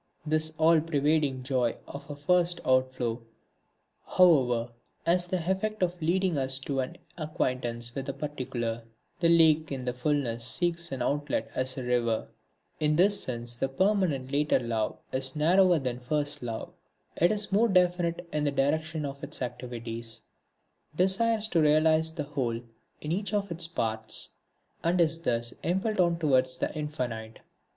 This all pervading joy of a first outflow, however, has the effect of leading us to an acquaintance with the particular. The lake in its fulness seeks an outlet as a river. In this sense the permanent later love is narrower than first love. It is more definite in the direction of its activities, desires to realise the whole in each of its parts, and is thus impelled on towards the infinite.